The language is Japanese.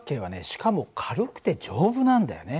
しかも軽くて丈夫なんだよね。